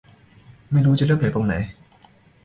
ไม่รู้จะเริ่มจากตรงไหน